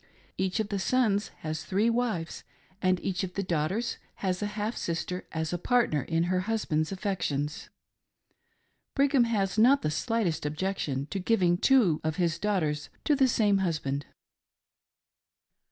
Each of the sons has three wives ; and each of the daughters has a half sister as a partner in her husband's affections. Brigham has not the slightest objection to giving two of his daughters to the same husband.